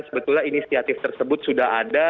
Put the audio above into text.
sebetulnya inisiatif tersebut sudah ada